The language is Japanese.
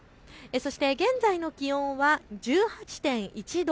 そして現在の気温は１８．１度。